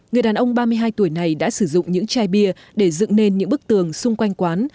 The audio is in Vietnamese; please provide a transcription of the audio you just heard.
người đàn ông ba mươi hai tuổi này đã sử dụng những chai bia để dựng nên những bức tường xung quanh quán